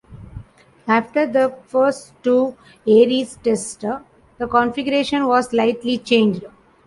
After the first two Aries tests, the configuration was slightly changed.